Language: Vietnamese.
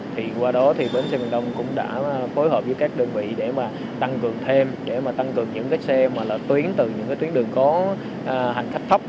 thì qua đó thì bến xe miền đông cũng đã phối hợp với các đơn vị để mà tăng cường thêm để mà tăng cường những cái xe mà là tuyến từ những cái tuyến đường có hành khách thấp